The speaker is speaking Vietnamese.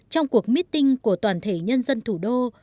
trong cuộc meeting của toàn thể nhân dân thủ đô